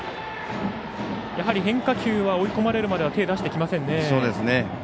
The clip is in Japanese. やはり変化球は追い込まれるまでは手を出してきませんね。